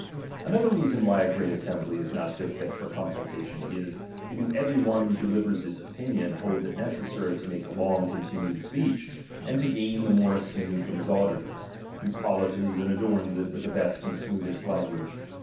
Another reason why a great assembly is "j ic:»t so fit for consultation is, because every one ^'Vljo delivers his opinion holds it necessary to '^lake a long continued speech; and to gain the '^ticre esteem from his auditors, he polishes and *<3orns it with the best and smoothest language.